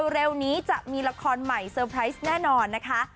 เร็วนี้จะมีละครใหม่เซอร์ไพรส์แน่นอนนะคะ